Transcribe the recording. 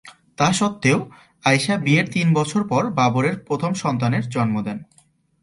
তা সত্ত্বেও, আয়েশা বিয়ের তিন বছর পর বাবরের প্রথম সন্তানের জন্ম দেন।